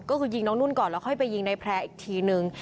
ก็คือยิงน้องนุ่นก่อนแล้วค่อยไปยิงในแพร่อีกทีนึง